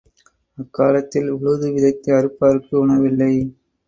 அக்காலத்தில், உழுது விதைத்து, அறுப்பார்க்கு உணவில்லை.